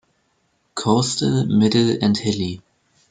Coastal, Middle and Hilly.